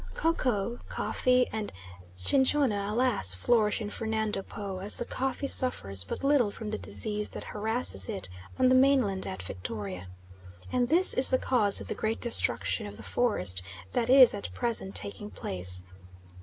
Cocoa, coffee, and cinchona, alas! flourish in Fernando Po, as the coffee suffers but little from the disease that harasses it on the mainland at Victoria, and this is the cause of the great destruction of the forest that is at present taking place.